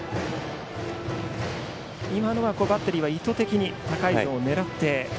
今のはバッテリーは意図的に高いゾーンを狙って。